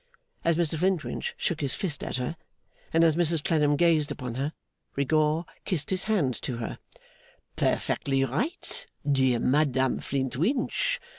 As Mr Flintwinch shook his fist at her, and as Mrs Clennam gazed upon her, Rigaud kissed his hand to her. 'Perfectly right, dear Madame Flintwinch.